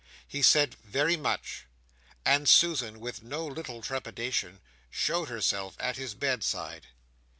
He said "very much." And Susan, with no little trepidation, showed herself at his bedside.